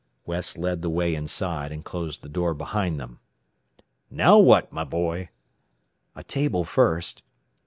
West led the way inside, and closed the door behind them. "Now what, my boy?" "A table first.